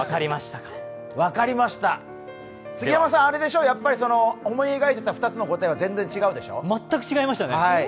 分かりました、杉山さん、やっぱり思い描いていた２つの答えは全く違いましたね。